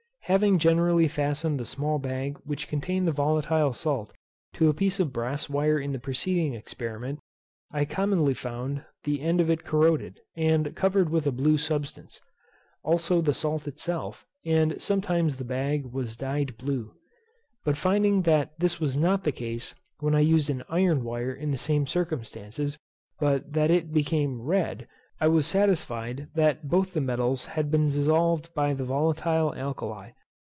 Having generally fastened the small bag which contained the volatile salt to a piece of brass wire in the preceding experiment, I commonly found the end of it corroded, and covered with a blue substance. Also the salt itself, and sometimes the bag was died blue. But finding that this was not the case when I used an iron wire in the same circumstances, but that it became red, I was satisfied that both the metals had been dissolved by the volatile alkali.